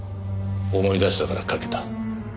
思い出したから書けた。